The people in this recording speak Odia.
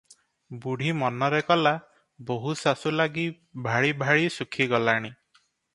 ବୁଢ଼ୀ ମନରେ କଲା, ବୋହୂ ଶାଶୁ ଲାଗି ଭାଳି ଭାଳି ଶୁଖି ଗଲାଣି ।